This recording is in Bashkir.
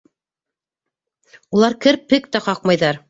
Улар керпек тә ҡаҡмайҙар.